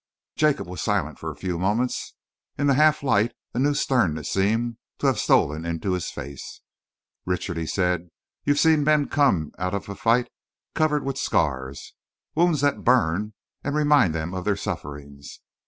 Jacob was silent for a few moments. In the half light, a new sternness seemed to have stolen into his face. "Richard," he said, "you've seen men come out of a fight covered with scars, wounds that burn and remind them of their sufferings.